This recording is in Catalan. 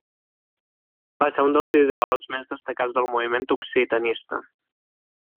Va ser un dels ideòlegs més destacats del moviment occitanista.